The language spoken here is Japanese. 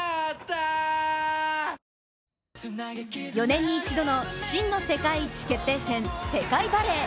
ＪＴ４年に一度の真の世界一決定戦、世界バレー。